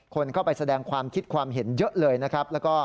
คนเข้าไปแสดงความคิดความเห็นเยอะเลยนะครับ